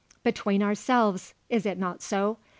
Between ourselves; is it not so?